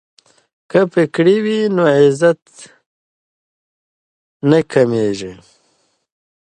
که پګړۍ وي نو عزت نه کمیږي.